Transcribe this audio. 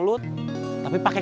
should i name ya nah